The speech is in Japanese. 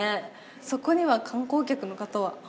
そこには観光客の方はあんまり。